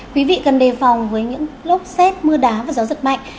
quý vị cần đề phòng với những lốc xét mưa đá và gió giật mạnh